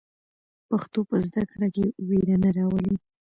پښتو په زده کړه کې وېره نه راولي.